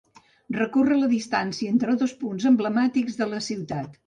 Recorre la distància entre dos punts emblemàtics de la ciutat.